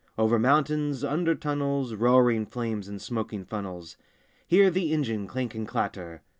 Over mountains, under tunnels, Roaring flames and smoking funnels— Hear the engine clank and clatter!